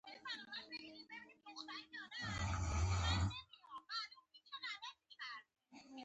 ویده خوله بنده وي